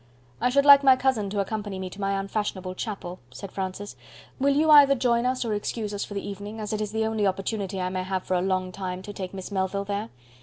"I should like my cousin to accompany me to my unfashionable chapel," said Francis. "Will you either join us or excuse us for the evening, as it is the only opportunity I may have for a long time to take Miss Melville there?